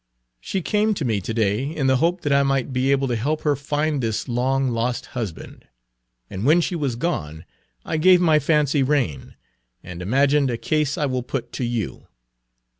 "She came to me to day in the hope that I might be able to help her find this long lost husband. And when she was gone I gave my fancy rein, and imagined a case I will put to you.